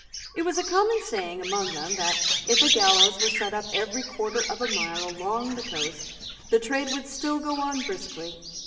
It was a common saying among them that, if a gallows were set up every quarter of a mile along the coast, the trade would still go on briskly.